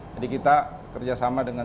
jadi kita kerjasama dengan